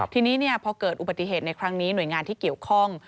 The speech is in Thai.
ทีนี้พอเกิดอุบัติเหตุในครั้งนี้หน่วยงานที่เกี่ยวข้อง